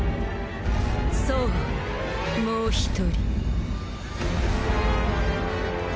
そうもう１人。